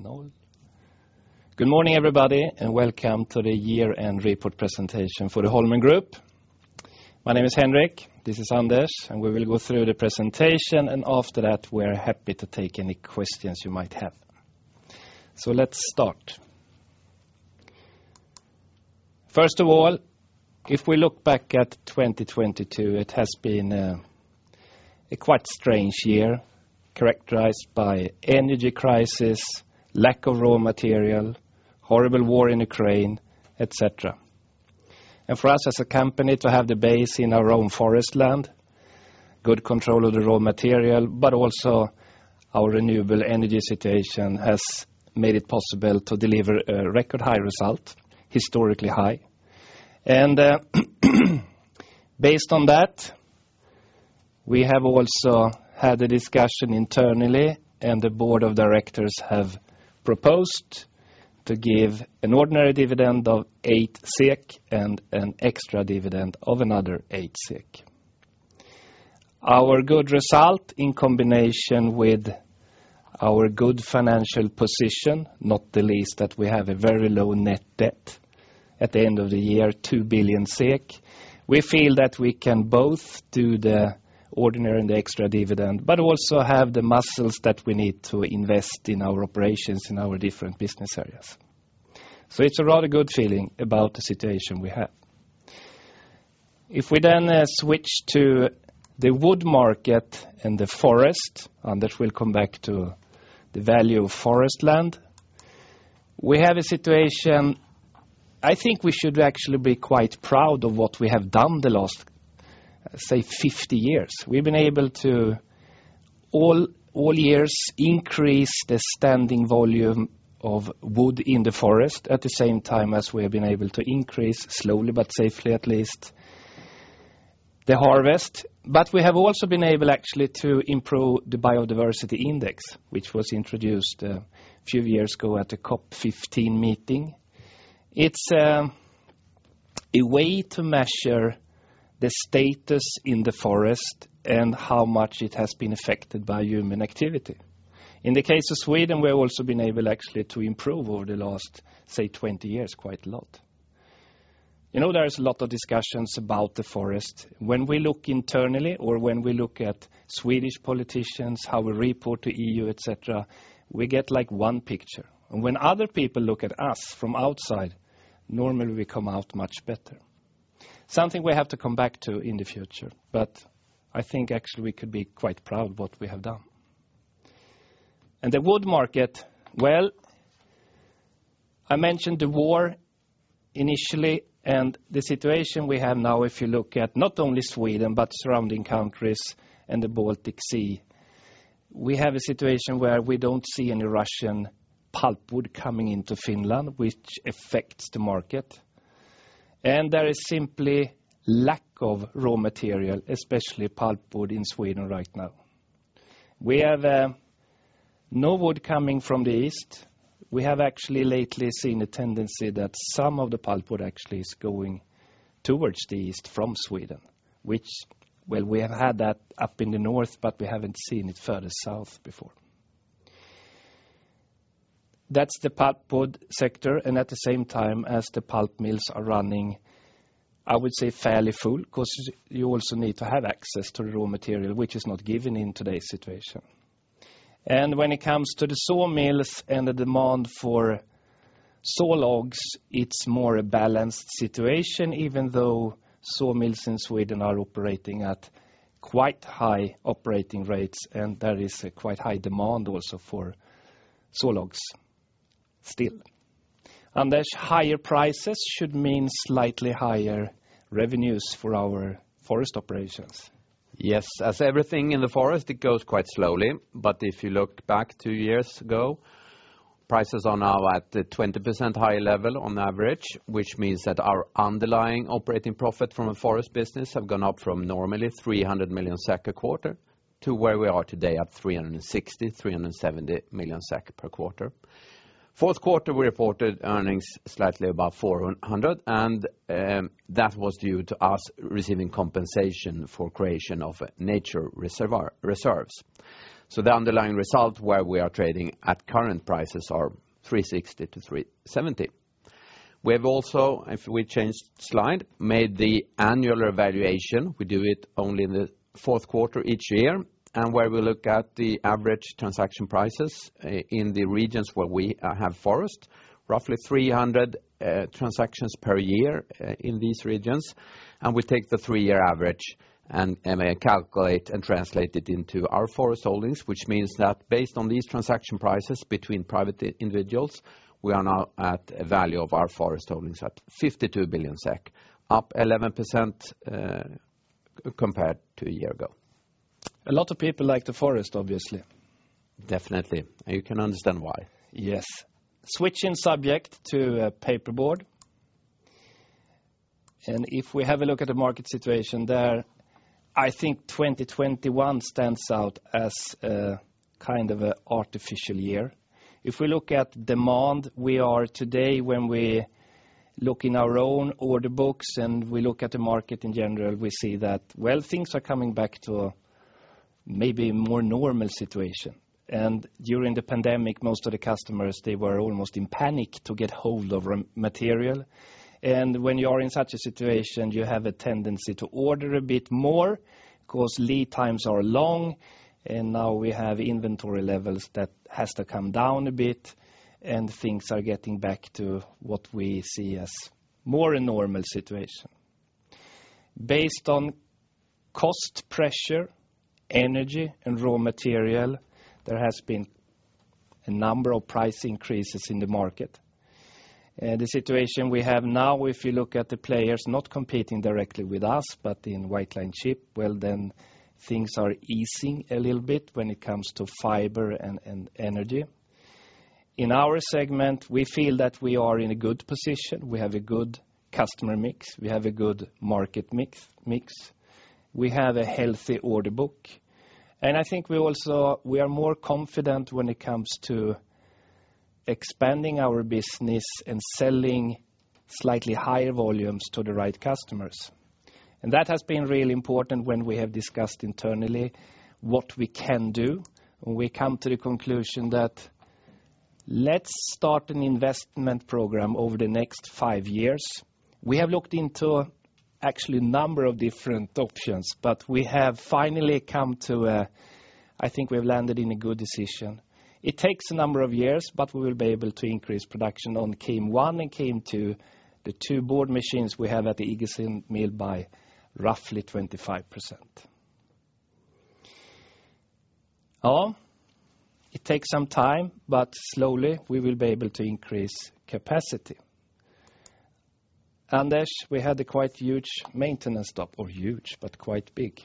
No. Good morning, everybody, and welcome to the year-end report presentation for the Holmen Group. My name is Henrik, this is Anders, and we will go through the presentation, and after that, we're happy to take any questions you might have. Let's start. First of all, if we look back at 2022, it has been a quite strange year characterized by energy crisis, lack of raw material, horrible war in Ukraine, et cetera. For us as a company to have the base in our own forest land, good control of the raw material, but also our renewable energy situation has made it possible to deliver a record high result, historically high. Based on that, we have also had a discussion internally and the board of directors have proposed to give an ordinary dividend of 8 SEK and an extra dividend of another 8 SEK. Our good result in combination with our good financial position, not the least that we have a very low net debt at the end of the year, 2 billion SEK, we feel that we can both do the ordinary and the extra dividend, but also have the muscles that we need to invest in our operations in our different business areas. It's a rather good feeling about the situation we have. If we switch to the wood market and the forest, we'll come back to the value of forest land. We have a situation. I think we should actually be quite proud of what we have done the last, say 50 years. We've been able to all years increase the standing volume of wood in the forest at the same time as we have been able to increase slowly, but safely at least, the harvest. We have also been able actually to improve the biodiversity index, which was introduced a few years ago at the COP15 meeting. It's a way to measure the status in the forest and how much it has been affected by human activity. In the case of Sweden, we have also been able actually to improve over the last, say, 20 years, quite a lot. You know, there's a lot of discussions about the forest. When we look internally or when we look at Swedish politicians, how we report to EU, et cetera, we get like one picture. When other people look at us from outside, normally we come out much better. Something we have to come back to in the future. I think actually we could be quite proud of what we have done. The wood market, well, I mentioned the war initially, and the situation we have now, if you look at not only Sweden, but surrounding countries and the Baltic Sea, we have a situation where we don't see any Russian pulpwood coming into Finland, which affects the market. There is simply lack of raw material, especially pulpwood in Sweden right now. We have no wood coming from the east. We have actually lately seen a tendency that some of the pulpwood actually is going towards the east from Sweden, which, well, we have had that up in the north, but we haven't seen it further south before. That's the pulpwood sector, and at the same time as the pulp mills are running, I would say fairly full, 'cause you also need to have access to the raw material, which is not given in today's situation. When it comes to the sawmills and the demand for sawlogs, it's more a balanced situation, even though sawmills in Sweden are operating at quite high operating rates, and there is a quite high demand also for sawlogs still. Anders, higher prices should mean slightly higher revenues for our forest operations. Yes. As everything in the forest, it goes quite slowly. If you look back two years ago, prices are now at the 20% higher level on average, which means that our underlying operating profit from a forest business have gone up from normally 300 million a quarter to where we are today at 360 million-370 million per quarter. Fourth quarter, we reported earnings slightly above 400 million, and that was due to us receiving compensation for creation of nature reserves. The underlying result where we are trading at current prices are 360 million-370 million. We have also, if we change slide, made the annual evaluation. We do it only in the fourth quarter each year, where we look at the average transaction prices in the regions where we have forest, roughly 300 transactions per year in these regions. We take the three-year average and calculate and translate it into our forest holdings, which means that based on these transaction prices between private individuals, we are now at a value of our forest holdings at 52 billion SEK, up 11% compared to a year ago. A lot of people like the forest, obviously. Definitely. You can understand why. Yes. Switching subject to paperboard. If we have a look at the market situation there, I think 2021 stands out as a kind of artificial year. If we look at demand, we are today when we look in our own order books, and we look at the market in general, we see that, well, things are coming back to maybe a more normal situation. During the pandemic, most of the customers, they were almost in panic to get hold of raw material. When you are in such a situation, you have a tendency to order a bit more because lead times are long, and now we have inventory levels that has to come down a bit, and things are getting back to what we see as more a normal situation. Based on cost pressure, energy, and raw material, there has been a number of price increases in the market. The situation we have now, if you look at the players not competing directly with us, but in white-lined chipboard, then things are easing a little bit when it comes to fiber and energy. In our segment, we feel that we are in a good position. We have a good customer mix, we have a good market mix. We have a healthy order book. I think we are more confident when it comes to expanding our business and selling slightly higher volumes to the right customers. That has been really important when we have discussed internally what we can do, and we come to the conclusion that let's start an investment program over the next five years. We have looked into actually a number of different options, we have finally come to a, I think, we've landed in a good decision. It takes a number of years, we will be able to increase production on KM1 and KM2, the two board machines we have at the Iggesund Mill by roughly 25%. It takes some time, slowly we will be able to increase capacity. Anders, we had a quite huge maintenance stop, or huge, but quite big.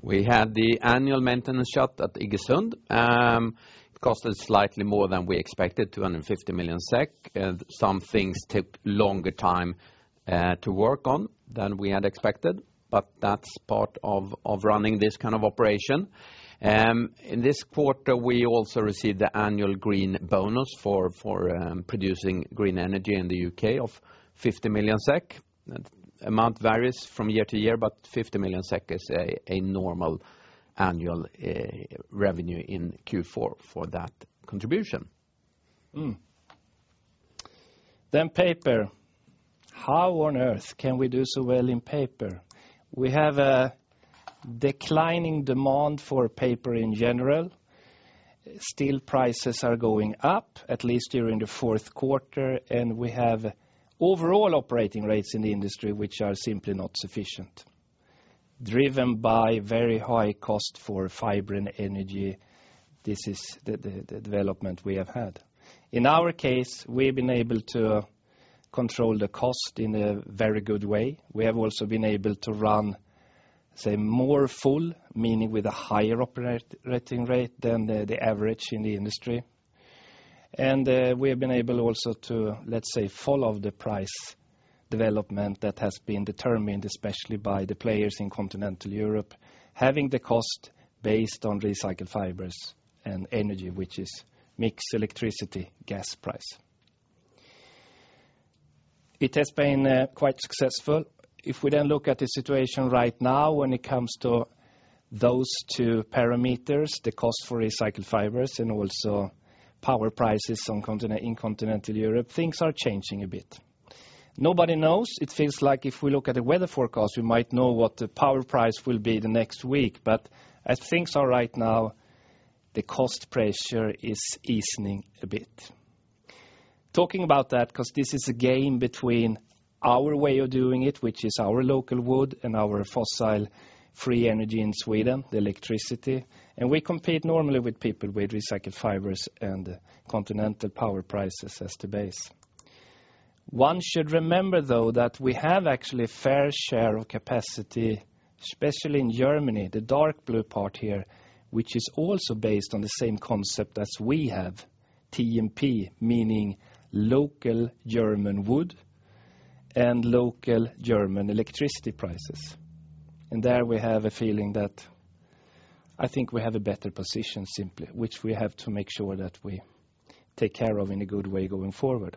We had the annual maintenance shut at Iggesund. It cost us slightly more than we expected, 250 million SEK, and some things took longer time to work on than we had expected. That's part of running this kind of operation. In this quarter, we also received the annual green bonus for producing green energy in the U.K. of 50 million SEK. Amount varies from year to year, 50 million SEK is a normal annual revenue in Q4 for that contribution. Paper. How on earth can we do so well in paper? We have a declining demand for paper in general. Steel prices are going up, at least during the fourth quarter, and we have overall operating rates in the industry which are simply not sufficient. Driven by very high cost for fiber and energy, this is the development we have had. In our case, we've been able to control the cost in a very good way. We have also been able to run, say, more full, meaning with a higher operating rate than the average in the industry. We have been able also to, let's say, follow the price development that has been determined, especially by the players in continental Europe, having the cost based on recycled fibers and energy, which is mixed electricity gas price. It has been quite successful. If we look at the situation right now when it comes to those two parameters, the cost for recycled fibers and also power prices in continental Europe, things are changing a bit. Nobody knows. It feels like if we look at the weather forecast, we might know what the power price will be the next week. As things are right now, the cost pressure is easing a bit. Talking about that, because this is a game between our way of doing it, which is our local wood and our fossil-free energy in Sweden, the electricity, and we compete normally with people with recycled fibers and continental power prices as the base. One should remember, though, that we have actually a fair share of capacity, especially in Germany, the dark blue part here, which is also based on the same concept as we have, TMP, meaning local German wood and local German electricity prices. There we have a feeling that I think we have a better position simply, which we have to make sure that we take care of in a good way going forward.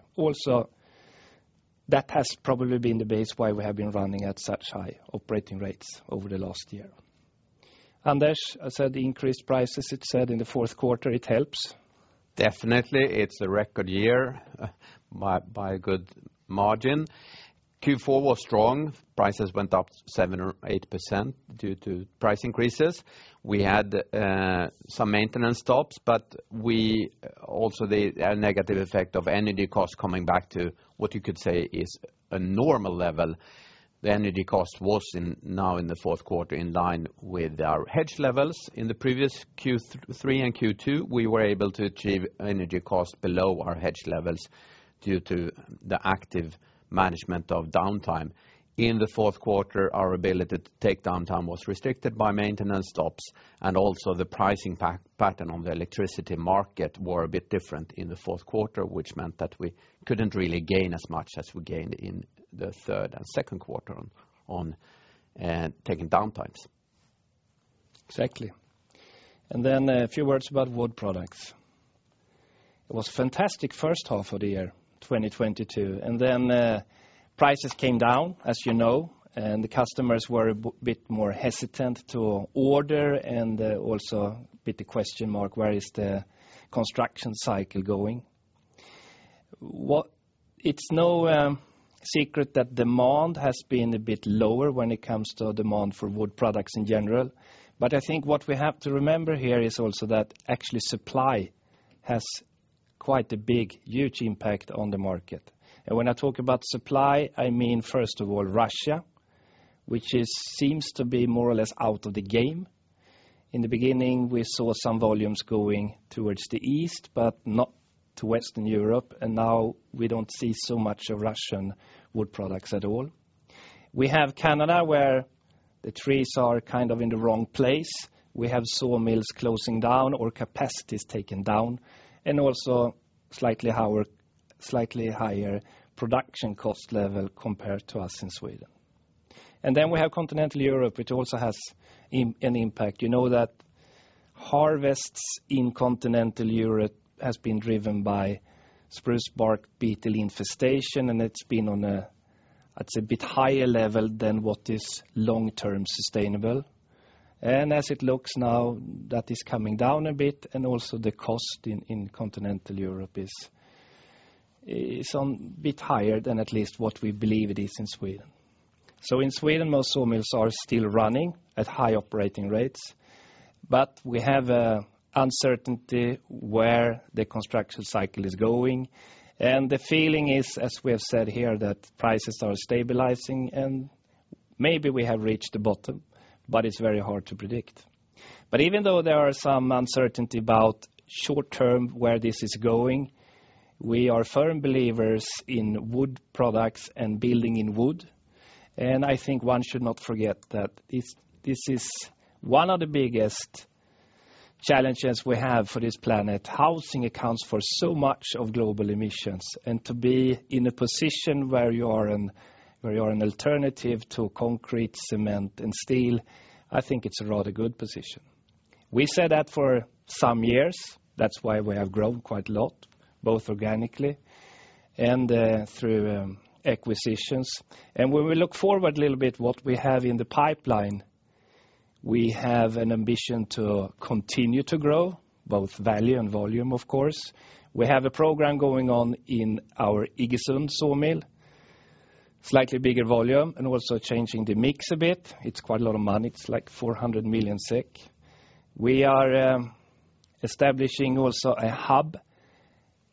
That has probably been the base why we have been running at such high operating rates over the last year. Anders, as said, the increased prices it said in the fourth quarter, it helps. Definitely. It's a record year by a good margin. Q4 was strong. Prices went up 7% or 8% due to price increases. We had some maintenance stops, but we also the negative effect of energy costs coming back to what you could say is a normal level. The energy cost was in now in the fourth quarter in line with our hedge levels. In the previous Q3 and Q2, we were able to achieve energy costs below our hedge levels due to the active management of downtime. In the fourth quarter, our ability to take downtime was restricted by maintenance stops, and also the pricing pattern on the electricity market were a bit different in the fourth quarter, which meant that we couldn't really gain as much as we gained in the third and second quarter on taking downtimes. Exactly. Then a few words about wood products. It was a fantastic first half of the year, 2022, prices came down, as you know, the customers were a bit more hesitant to order, also a question mark, where is the construction cycle going? It's no secret that demand has been a bit lower when it comes to demand for wood products in general. I think what we have to remember here is also that actually supply has quite a big, huge impact on the market. When I talk about supply, I mean, first of all, Russia, which seems to be more or less out of the game. In the beginning, we saw some volumes going towards the east, but not to Western Europe. Now we don't see so much of Russian wood products at all. We have Canada, where the trees are kind of in the wrong place. We have sawmills closing down or capacities taken down, and also slightly higher production cost level compared to us in Sweden. We have continental Europe, which also has an impact. You know that harvests in continental Europe has been driven by spruce bark beetle infestation, and it's been on a, I'd say, bit higher level than what is long-term sustainable. As it looks now, that is coming down a bit, and also the cost in continental Europe is a bit higher than at least what we believe it is in Sweden. In Sweden, most sawmills are still running at high operating rates, but we have a uncertainty where the construction cycle is going. The feeling is, as we have said here, that prices are stabilizing, and maybe we have reached the bottom, but it's very hard to predict. Even though there are some uncertainty about short-term where this is going, we are firm believers in wood products and building in wood. I think one should not forget that this is one of the biggest challenges we have for this planet. Housing accounts for so much of global emissions, and to be in a position where you are an alternative to concrete, cement, and steel, I think it's a rather good position. We said that for some years. That's why we have grown quite a lot, both organically and through acquisitions. When we look forward a little bit what we have in the pipeline, we have an ambition to continue to grow, both value and volume, of course. We have a program going on in our Iggesund sawmill, slightly bigger volume, and also changing the mix a bit. It's quite a lot of money. It's like 400 million SEK .We are establishing also a hub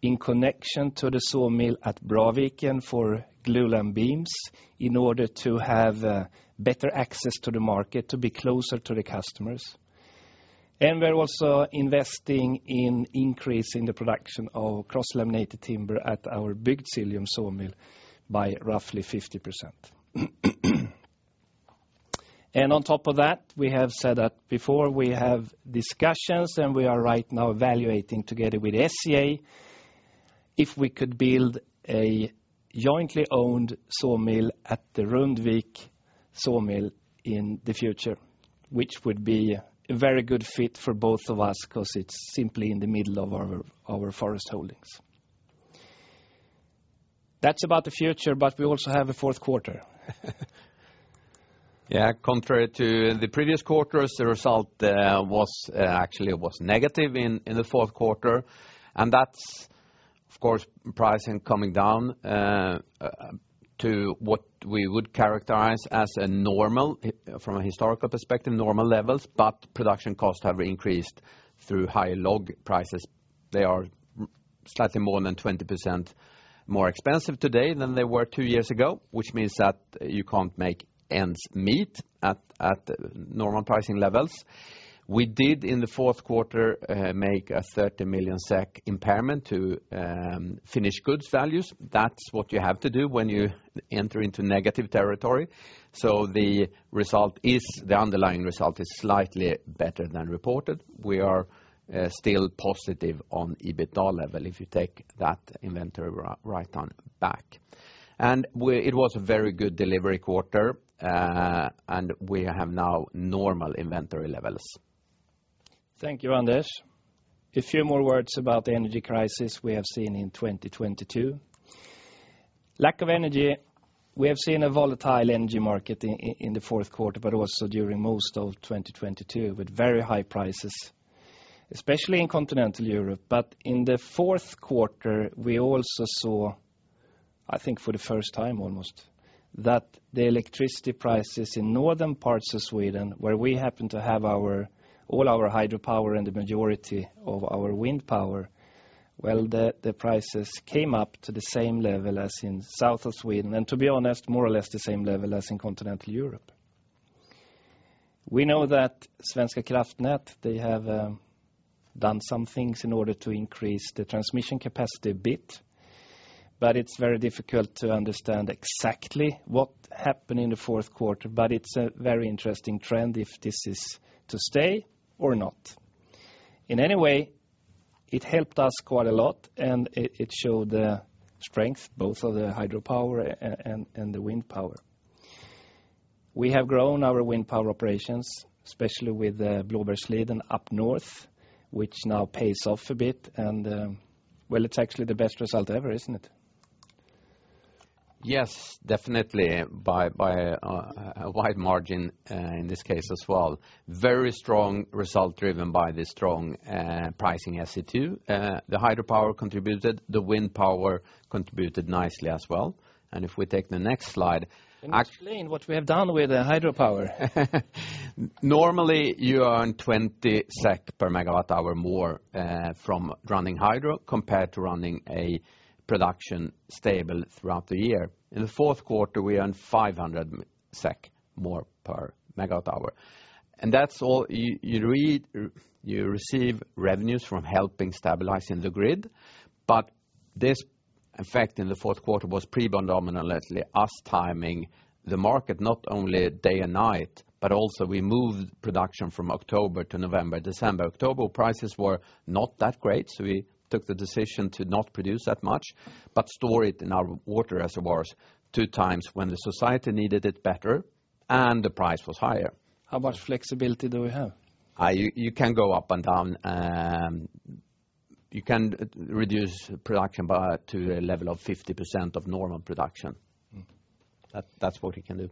in connection to the sawmill at Braviken for glulam beams in order to have better access to the market to be closer to the customers. We're also investing in increase in the production of cross-laminated timber at our Bygdsiljum sawmill by roughly 50%. On top of that, we have said that before we have discussions, and we are right now evaluating together with SCA, if we could build a jointly owned sawmill at the Rundvik sawmill in the future, which would be a very good fit for both of us 'cause it's simply in the middle of our forest holdings. That's about the future. We also have a fourth quarter. Contrary to the previous quarters, the result actually was negative in the fourth quarter. That's, of course, pricing coming down to what we would characterize as a normal, from a historical perspective, normal levels, but production costs have increased through high log prices. They are slightly more than 20% more expensive today than they were two years ago, which means that you can't make ends meet at normal pricing levels. We did, in the fourth quarter, make a 30 million SEK impairment to finished goods values. That's what you have to do when you enter into negative territory. The underlying result is slightly better than reported. We are still positive on EBITDA level if you take that inventory right on back. It was a very good delivery quarter, and we have now normal inventory levels. Thank you, Anders. A few more words about the energy crisis we have seen in 2022. Lack of energy, we have seen a volatile energy market in the fourth quarter, but also during most of 2022 with very high prices, especially in continental Europe. In the fourth quarter, we also saw, I think for the first time almost, that the electricity prices in northern parts of Sweden, where we happen to have all our hydropower and the majority of our wind power, well, the prices came up to the same level as in south of Sweden, and to be honest, more or less the same level as in continental Europe. We know that Svenska Kraftnät, they have done some things in order to increase the transmission capacity a bit, but it's very difficult to understand exactly what happened in the fourth quarter. It's a very interesting trend if this is to stay or not. In any way, it helped us quite a lot, and it showed the strength, both of the hydropower and the wind power. We have grown our wind power operations, especially with Blåbergsliden up north, which now pays off a bit and, well, it's actually the best result ever, isn't it? Yes, definitely by a wide margin in this case as well. Very strong result driven by the strong pricing SE2. The hydropower contributed, the wind power contributed nicely as well. If we take the next slide. Can you explain what we have done with the hydropower? Normally, you earn 20 SEK per MWh more, from running hydro compared to running a production stable throughout the year. In the fourth quarter, we earned 500 SEK more per MWh. You receive revenues from helping stabilizing the grid. This effect in the fourth quarter was predominantly us timing the market not only day and night, but also we moved production from October to November, December. October prices were not that great, so we took the decision to not produce that much, but store it in our water reservoirs two times when the society needed it better and the price was higher. How much flexibility do we have? You, you can go up and down, you can reduce production to a level of 50% of normal production. Mm-hmm. That's what we can do.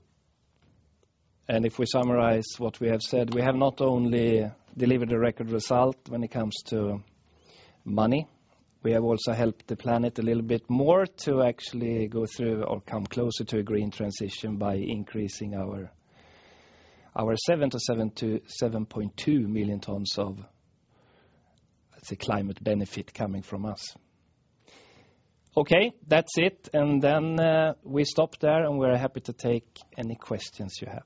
If we summarize what we have said, we have not only delivered a record result when it comes to money, we have also helped the planet a little bit more to actually go through or come closer to a green transition by increasing our 7.2 million tons of the climate benefit coming from us. Okay, that's it. We stop there, and we're happy to take any questions you have.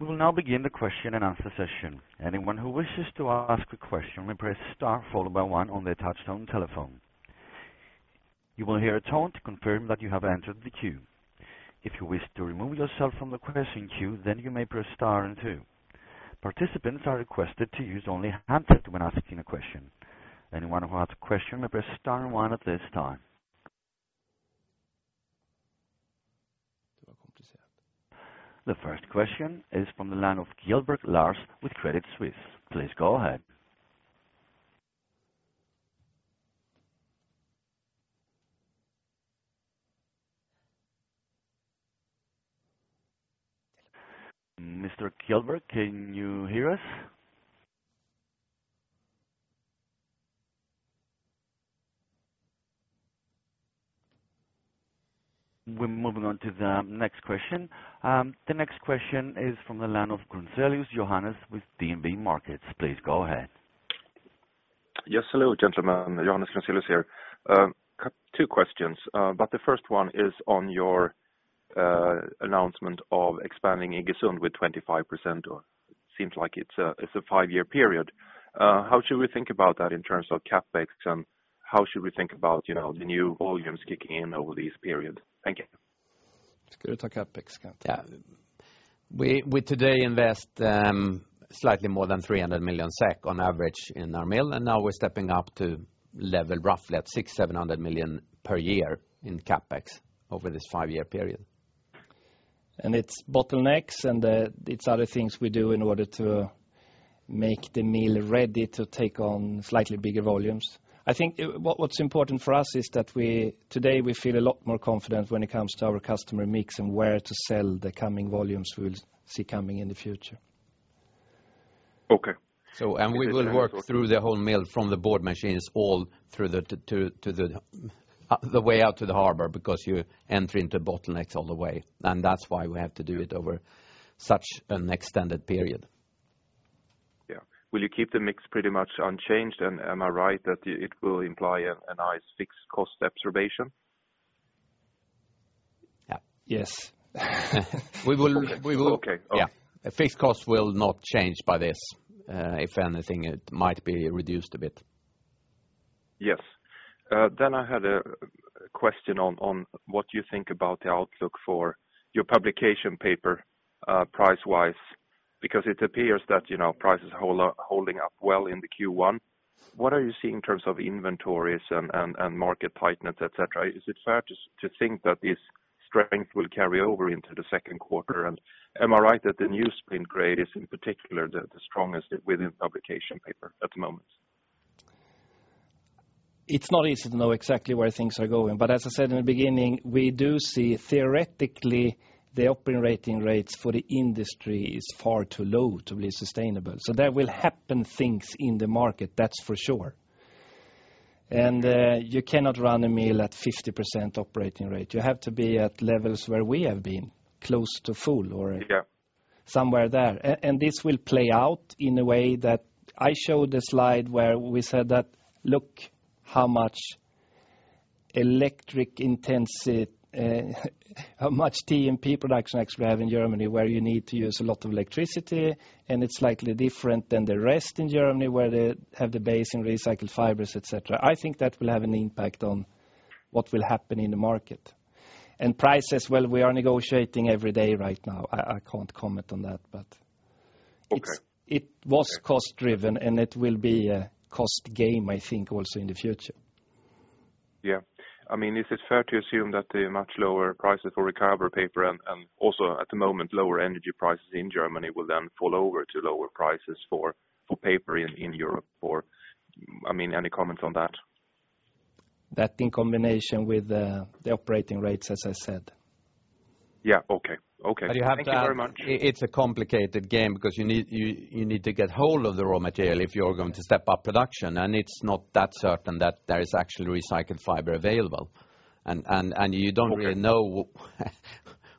We will now begin the question and answer session. Anyone who wishes to ask a question may press star followed by one on their touchtone telephone. You will hear a tone to confirm that you have entered the queue. If you wish to remove yourself from the question queue, then you may press star and two. Participants are requested to use only hands free when asking a question. Anyone who has a question may press star and one at this time. The first question is from the line of Kjellberg Lars with Credit Suisse. Please go ahead. Mr. Kjellberg, can you hear us? We're moving on to the next question. The next question is from the line of Johannes Grunselius with DNB Markets. Please go ahead. Yes. Hello, gentlemen. Johannes Grunselius here. Two questions, but the first one is on your announcement of expanding Iggesund with 25% or seems like it's a, it's a five-year period. How should we think about that in terms of CapEx? How should we think about, you know, the new volumes kicking in over this period? Thank you. It's going to take CapEx, can't you? Yeah. We today invest slightly more than 300 million SEK on average in our mill, and now we're stepping up to level roughly at 600-700 million per year in CapEx over this five-year period. It's bottlenecks, and it's other things we do in order to make the mill ready to take on slightly bigger volumes. I think what's important for us is that today we feel a lot more confident when it comes to our customer mix and where to sell the coming volumes we'll see coming in the future. Okay. We will work through the whole mill from the board machines all through to the way out to the harbor because you enter into bottlenecks all the way. That's why we have to do it over such an extended period. Yeah. Will you keep the mix pretty much unchanged? Am I right that it will imply a nice fixed cost observation? Yeah. Yes. We will. Okay. Yeah. A fixed cost will not change by this. If anything, it might be reduced a bit. Yes. Then I had a question on what you think about the outlook for your publication paper price-wise, because it appears that, you know, prices holding up well in the Q1. What are you seeing in terms of inventories and market tightness, et cetera? Is it fair to think that this strength will carry over into the second quarter? Am I right that the newsprint grade is in particular the strongest within publication paper at the moment? It's not easy to know exactly where things are going. As I said in the beginning, we do see theoretically, the operating rates for the industry is far too low to be sustainable. There will happen things in the market, that's for sure. You cannot run a mill at 50% operating rate. You have to be at levels where we have been, close to full or- Yeah. Somewhere there. This will play out in a way that I showed a slide where we said that, "Look how much TMP production actually we have in Germany, where you need to use a lot of electricity, and it's slightly different than the rest in Germany, where they have the base in recycled fibers, et cetera." I think that will have an impact on what will happen in the market. Prices, well, we are negotiating every day right now. I can't comment on that. Okay. It was cost-driven. It will be a cost game, I think, also in the future. Yeah. I mean, is it fair to assume that the much lower prices for recovered paper and also at the moment, lower energy prices in Germany will then fall over to lower prices for paper in Europe or. I mean, any comment on that? That in combination with the operating rates, as I said. Yeah. Okay, okay. You have the. Thank you very much. It's a complicated game because you need to get hold of the raw material if you're going to step up production, and it's not that certain that there is actually recycled fiber available. you don't really know. Okay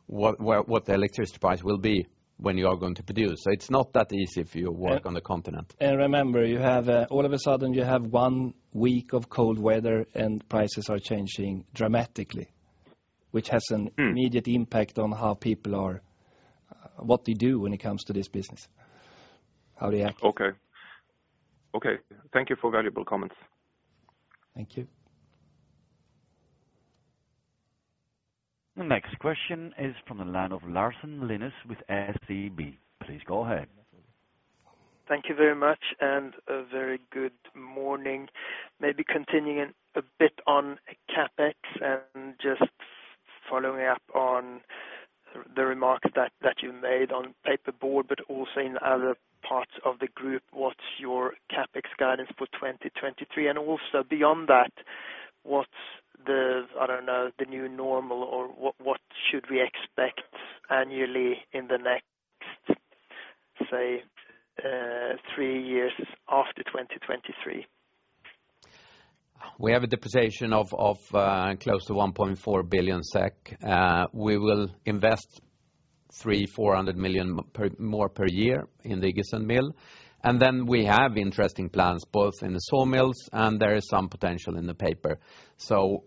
What the electricity price will be when you are going to produce. It's not that easy if you work on the continent. Remember, all of a sudden you have one week of cold weather and prices are changing dramatically. Mm. Immediate impact on how people are, what they do when it comes to this business, how they act. Okay. Okay. Thank you for valuable comments. Thank you. The next question is from the line of Linus Larsson with SEB. Please go ahead. Thank you very much and a very good morning. Maybe continuing a bit on CapEx and just following up on the remark that you made on paperboard, but also in other parts of the group. What's your CapEx guidance for 2023? Also beyond that, what's the, I don't know, the new normal or what should we expect annually in the next, say, three years after 2023? We have a deposition of close to 1.4 billion SEK. We will invest 300-400 million more per year in the Iggesund Mill. Then we have interesting plans both in the sawmills and there is some potential in the paper.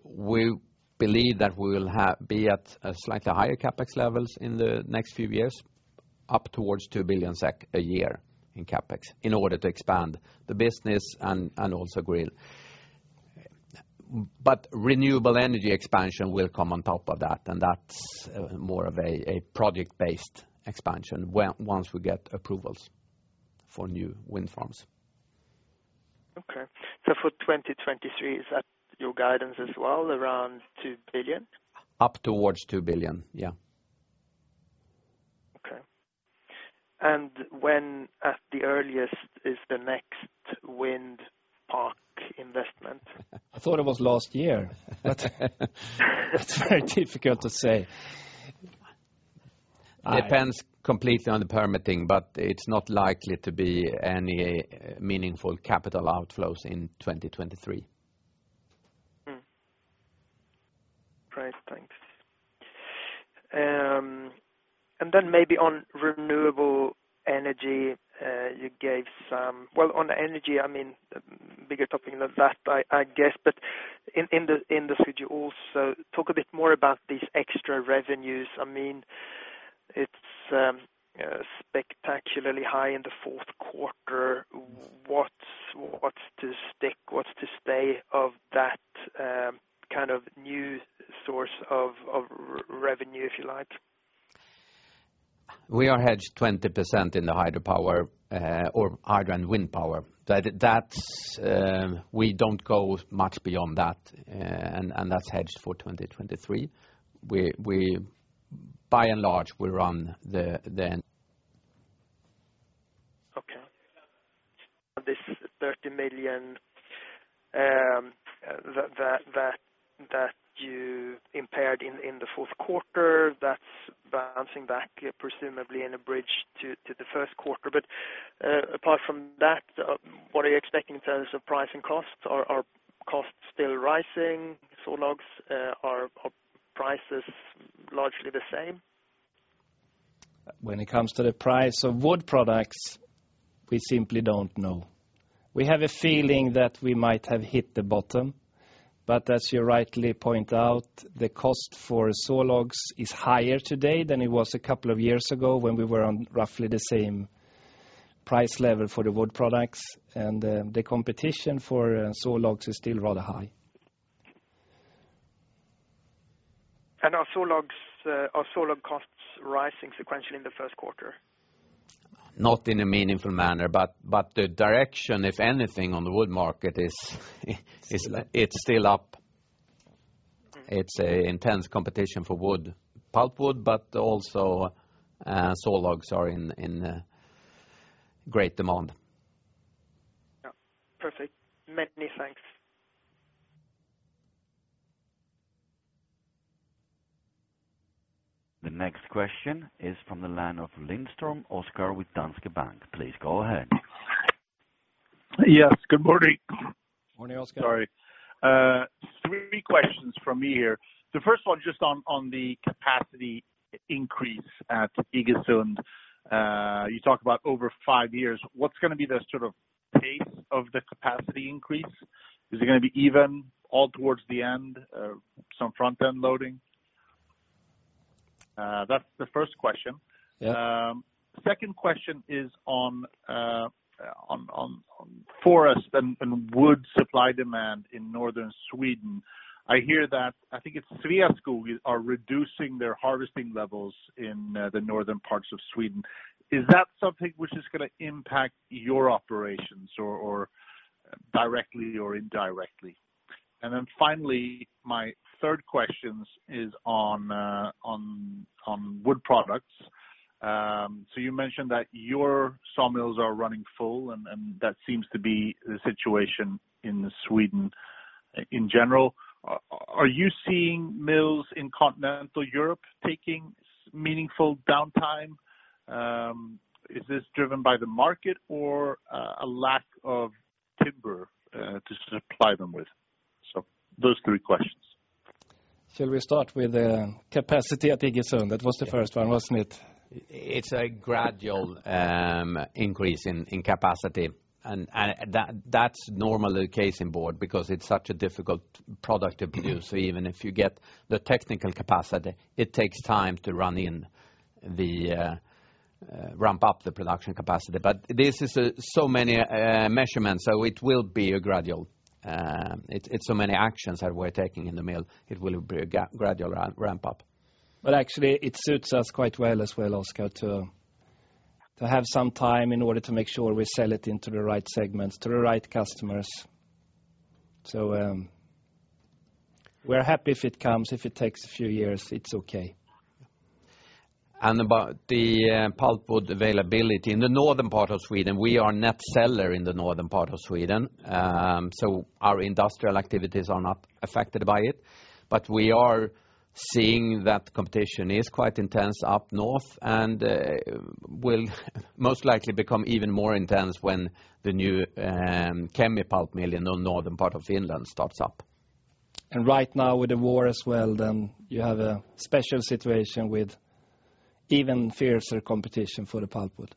We believe that we will be at a slightly higher CapEx levels in the next few years, up towards 2 billion SEK a year in CapEx in order to expand the business and also grill. Renewable energy expansion will come on top of that, and that's more of a project-based expansion once we get approvals for new wind farms. Okay. for 2023, is that your guidance as well, around 2 billion? Up towards 2 billion, yeah. Okay. When at the earliest is the next wind park investment? I thought it was last year. It's very difficult to say. Depends completely on the permitting, but it's not likely to be any meaningful capital outflows in 2023. Great. Thanks. Then maybe on renewable energy, you gave some. Well, on energy, I mean, bigger topic than that, I guess. In this, could you also talk a bit more about these extra revenues? I mean, it's spectacularly high in the fourth quarter. What's, what's to stick, what's to stay of that, kind of new source of revenue, if you like? We are hedged 20% in the hydropower, or hydro and wind power. That's, we don't go much beyond that, and that's hedged for 2023. We by and large will run the. Okay. This SEK 30 million, that you impaired in the fourth quarter, that's bouncing back presumably in a bridge to the first quarter. Apart from that, what are you expecting in terms of price and costs? Are costs still rising? Sawlogs, are prices largely the same? When it comes to the price of wood products, we simply don't know. We have a feeling that we might have hit the bottom, but as you rightly point out, the cost for sawlogs is higher today than it was a couple of years ago when we were on roughly the same price level for the wood products, and the competition for sawlogs is still rather high. Are sawlog costs rising sequentially in the first quarter? Not in a meaningful manner, but the direction, if anything, on the wood market is, it's still up. Mm-hmm. It's a intense competition for wood, pulpwood, but also, sawlogs are in great demand. Yeah. Perfect. Many thanks. The next question is from the line of Lindström Oskar with Danske Bank. Please go ahead. Yes. Good morning. Morning, Oskar. Sorry. Three questions from me here. The first one just on the capacity increase at Iggesund. You talked about over five years. What's gonna be the sort of pace of the capacity increase? Is it gonna be even all towards the end, some front-end loading? That's the first question. Yeah. Second question is on forest and wood supply demand in Northern Sweden. I hear that, I think it's Sveaskog are reducing their harvesting levels in the northern parts of Sweden. Is that something which is gonna impact your operations directly or indirectly? Finally, my third question is on wood products. You mentioned that your sawmills are running full, and that seems to be the situation in Sweden in general. Are you seeing mills in Continental Europe taking meaningful downtime? Is this driven by the market or a lack of timber to supply them with? Those three questions. Shall we start with the capacity at Iggesund? That was the first one, wasn't it? It's a gradual increase in capacity. That's normally the case in board because it's such a difficult product to produce. Even if you get the technical capacity, it takes time to run in the ramp up the production capacity. This is so many measurements, so it will be a gradual. It's so many actions that we're taking in the mill, it will be a gradual ramp up. Actually, it suits us quite well as well, Oscar, to have some time in order to make sure we sell it into the right segments, to the right customers. We're happy if it comes, if it takes a few years, it's okay. About the pulpwood availability. In the northern part of Sweden, we are net seller in the northern part of Sweden. So our industrial activities are not affected by it. But we are seeing that competition is quite intense up north and will most likely become even more intense when the new Kemijoki Mill in the northern part of Finland starts up. Right now with the war as well, you have a special situation with even fiercer competition for the pulpwood.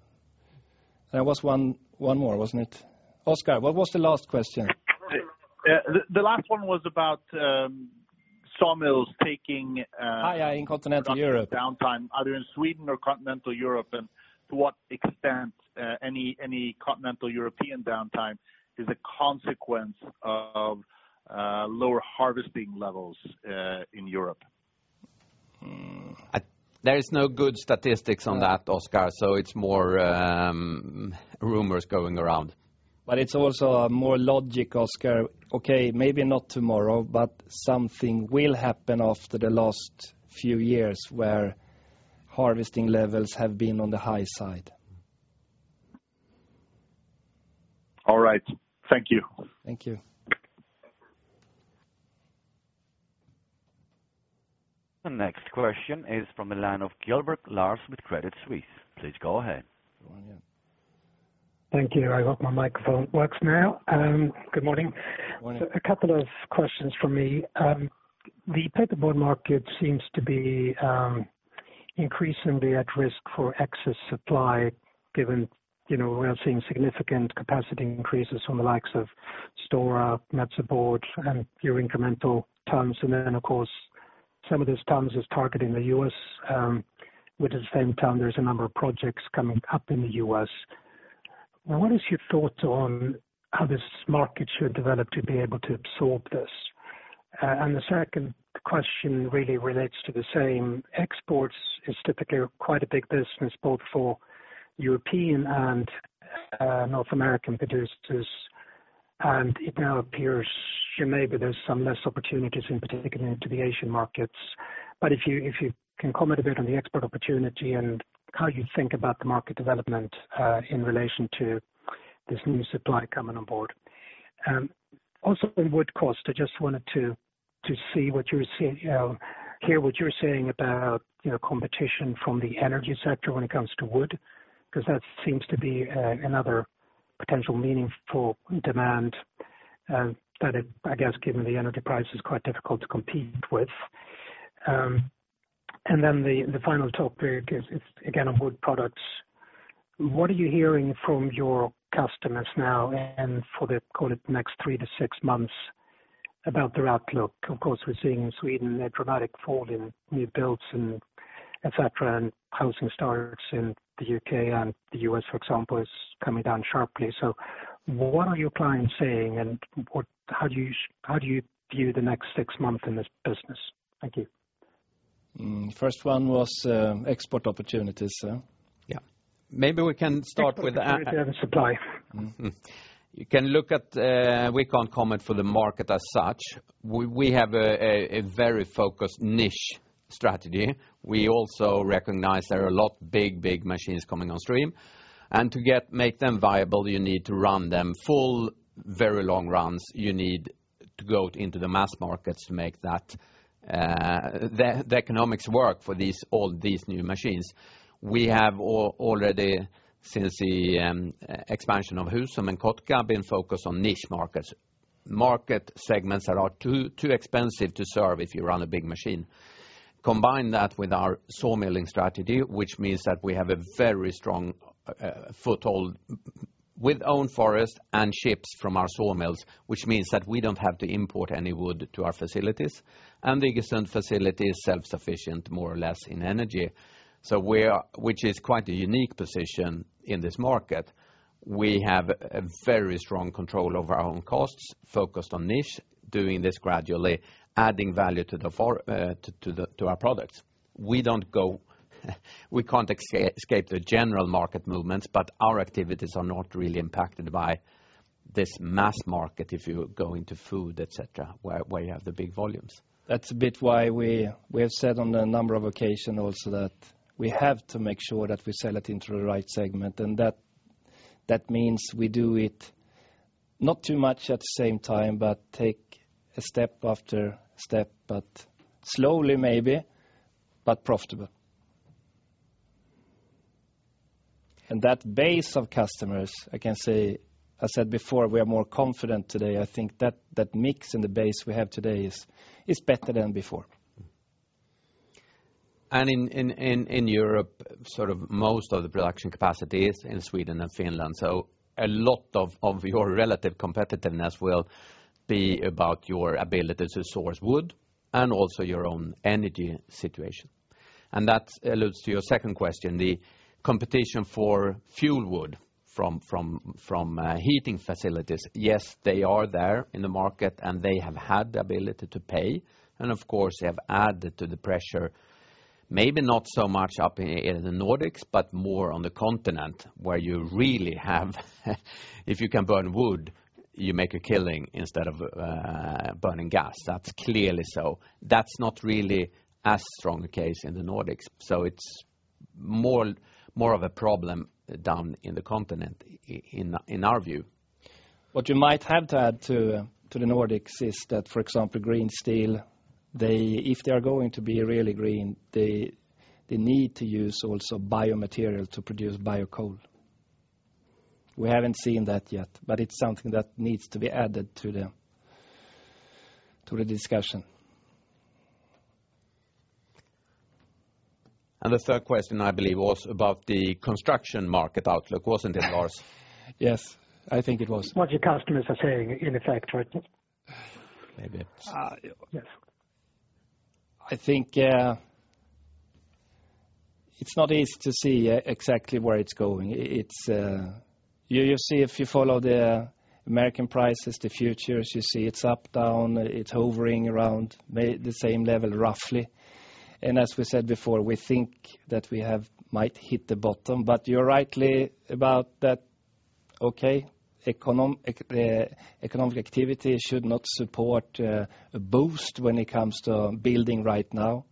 There was one more, wasn't it? Oskar, what was the last question? Yeah. The last one was about sawmills taking. Yeah, in continental Europe. Downtime, either in Sweden or continental Europe, and to what extent, any continental European downtime is a consequence of lower harvesting levels in Europe. There is no good statistics on that, Oskar, so it's more rumors going around. It's also a more logic, Oskar. Okay, maybe not tomorrow, but something will happen after the last few years where harvesting levels have been on the high side. All right. Thank you. Thank you. The next question is from the line of Kjellberg Lars with Credit Suisse. Please go ahead. Thank you. I hope my microphone works now. Good morning. Morning. A couple of questions from me. The paperboard market seems to be increasingly at risk for excess supply given, you know, we are seeing significant capacity increases from the likes of Stora Enso board and your incremental tons. Of course, some of this tons is targeting the U.S., with the same ton, there's a number of projects coming up in the U.S. What is your thoughts on how this market should develop to be able to absorb this? The second question really relates to the same. Exports is typically quite a big business, both for European and North American producers. It now appears maybe there's some less opportunities, in particular into the Asian markets. If you can comment a bit on the export opportunity and how you think about the market development in relation to this new supply coming on board. Also on wood cost, I just wanted to hear what you're saying about, you know, competition from the energy sector when it comes to wood, because that seems to be another potential meaningful demand that I guess, given the energy price is quite difficult to compete with. Then the final topic is again on wood products. What are you hearing from your customers now and for the, call it, next three to six months about their outlook? Of course, we're seeing in Sweden a dramatic fall in new builds and et cetera, and housing starts in the U.K. and the U.S., for example, is coming down sharply. What are your clients saying and how do you view the next six months in this business? Thank you. Mm. First one was, export opportunities, huh? Yeah. Maybe we can start with. Export opportunities and supply. You can look at, we can't comment for the market as such. We have a very focused niche strategy. We also recognize there are a lot big machines coming on stream. To make them viable, you need to run them full, very long runs. You need to go into the mass markets to make that the economics work for all these new machines. We have already, since the expansion of Husum and Kotka, been focused on niche markets, market segments that are too expensive to serve if you run a big machine. Combine that with our sawmilling strategy, which means that we have a very strong foothold with own forest and ships from our sawmills, which means that we don't have to import any wood to our facilities, and the Iggesund facility is self-sufficient more or less in energy. Which is quite a unique position in this market. We have a very strong control over our own costs, focused on niche, doing this gradually, adding value to our products. We can't escape the general market movements. Our activities are not really impacted by this mass market if you go into food, et cetera, where you have the big volumes. That's a bit why we have said on a number of occasions also that we have to make sure that we sell it into the right segment, and that means we do it not too much at the same time, but take a step after step, but slowly maybe, but profitable. That base of customers, I can say, I said before, we are more confident today. I think that mix in the base we have today is better than before. In Europe, sort of most of the production capacity is in Sweden and Finland. A lot of your relative competitiveness will be about your ability to source wood and also your own energy situation. That alludes to your second question, the competition for fuel wood from heating facilities. Yes, they are there in the market, and they have had the ability to pay. Of course, they have added to the pressure, maybe not so much up in the Nordics, but more on the continent, where you really have if you can burn wood, you make a killing instead of burning gas. That's clearly so. That's not really as strong a case in the Nordics. It's more of a problem down in the continent in our view. What you might have to add to the Nordics is that, for example, green steel, if they are going to be really green, they need to use also biomaterial to produce biocoal. We haven't seen that yet. It's something that needs to be added to the discussion. The third question, I believe, was about the construction market outlook, wasn't it, Lars? Yes, I think it was. What your customers are saying, in effect, right? Maybe it's- Yeah. Yes. I think, it's not easy to see exactly where it's going. It's, you see if you follow the American prices, the futures, you see it's up, down, it's hovering around the same level roughly. As we said before, we think that we have might hit the bottom. You're rightly about that, okay, economic activity should not support, a boost when it comes to building right now.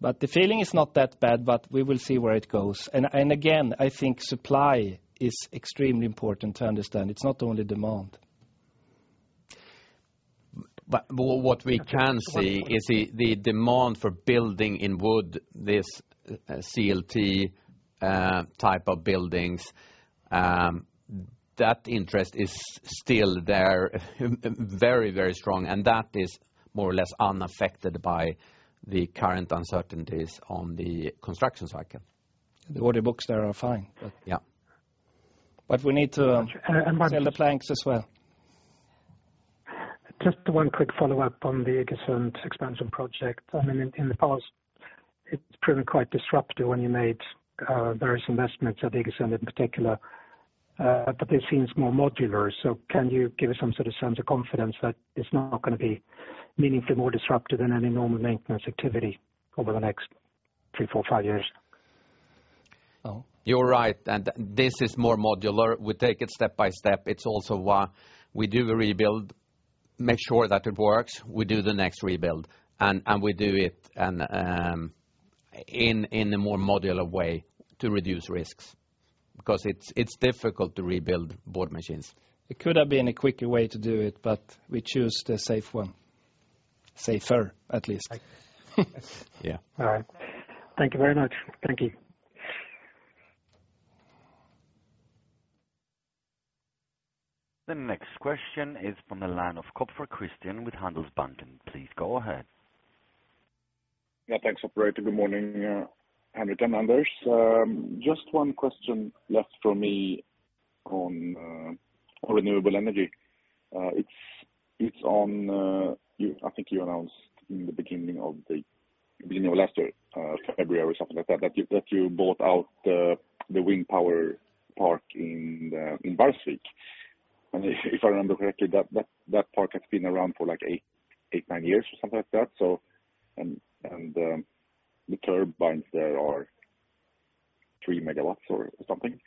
The feeling is not that bad, but we will see where it goes. Again, I think supply is extremely important to understand. It's not only demand. What we can see is the demand for building in wood, this CLT type of buildings, that interest is still there very, very strong, and that is more or less unaffected by the current uncertainties on the construction cycle. The order books there are fine. Yeah. We need to- Martin. Sell the planks as well. Just one quick follow-up on the Iggesund expansion project. I mean, in the past, it's proven quite disruptive when you made various investments at Iggesund in particular, but this seems more modular. Can you give us some sort of sense of confidence that it's not gonna be meaningfully more disruptive than any normal maintenance activity over the next three, four, five years? Oh. You're right. This is more modular. We take it step by step. It's also why we do a rebuild, make sure that it works, we do the next rebuild. We do it in a more modular way to reduce risks because it's difficult to rebuild board machines. It could have been a quicker way to do it, but we choose the safe one. Safer, at least. Yeah. All right. Thank you very much. Thank you. The next question is from the line of Kopfer Christian with Handelsbanken. Please go ahead. Yeah, thanks, operator. Good morning, Henrik and Anders. Just one question left for me on renewable energy. It's on, I think you announced in the beginning of last year, February or something like that you, that you bought out the wind power park in Barsebäck. If I remember correctly, that park has been around for like eight, nine years or something like that. The turbines there are 3 MW or something.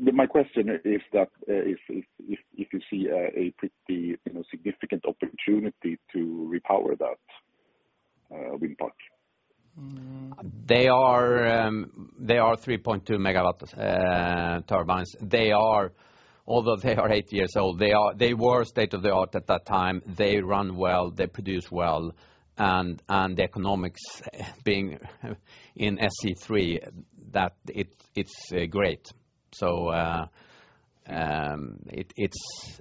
My question is that, if you see a pretty, you know, significant opportunity to repower that wind park. Mm. They are 3.2 MW turbines. Although they are eight years old, they were state-of-the-art at that time. They run well, they produce well, and the economics being in SE3, that it's great. It's,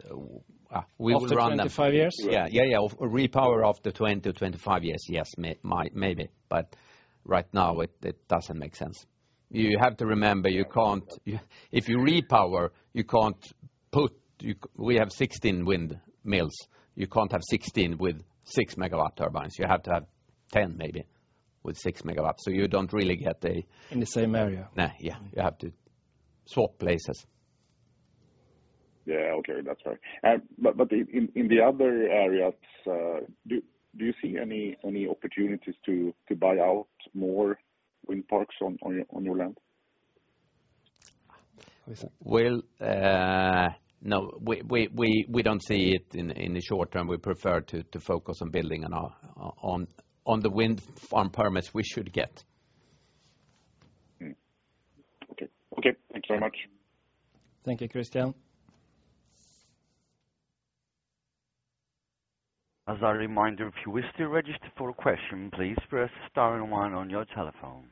we will run them. After 25 years? Yeah, yeah. Repower after 20 to 25 years, yes, maybe. Right now, it doesn't make sense. You have to remember, We have 16 windmills. You can't have 16 with 6 MW turbines. You have to have 10 maybe with 6 MW. You don't really get. In the same area. Nah, yeah. You have to swap places. Yeah, okay. That's fair. In the other areas, do you see any opportunities to buy out more wind parks on your land? What do you say? Well, no, we don't see it in the short term. We prefer to focus on building on our on the wind farm permits we should get. Okay. Okay. Thank you very much. Thank you, Christian. As a reminder, if you wish to register for a question, please press star and one on your telephone.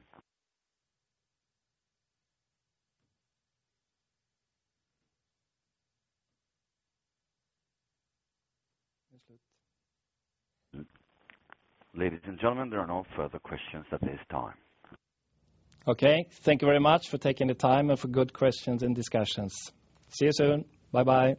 Ladies and gentlemen, there are no further questions at this time. Okay. Thank you very much for taking the time and for good questions and discussions. See you soon. Bye-bye.